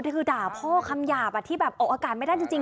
ก็คือด่าพ่อคำหยาบที่แบบออกอากาศไม่ได้จริง